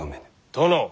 殿。